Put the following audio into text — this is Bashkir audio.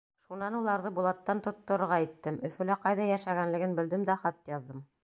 Шунан уларҙы Булаттан тотторорға иттем, Өфөлә ҡайҙа йәшәгәнлеген белдем дә хат яҙҙым.